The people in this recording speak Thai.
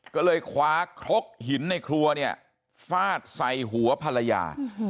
ก็เลยคว้าครกหินในครัวเนี่ยฟาดใส่หัวภรรยา